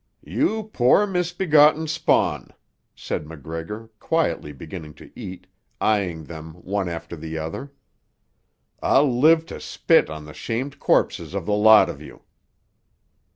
"You poor, misbegotten spawn," said MacGregor, quietly beginning to eat, eyeing them one after the other. "I'll live to spit on the shamed corpses of the lot of you."